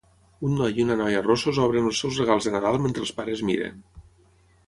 Un noi i una noia rossos obren els seus regals de Nadal mentre els pares miren